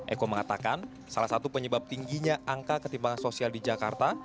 eko mengatakan salah satu penyebab tingginya angka ketimbangan sosial di jakarta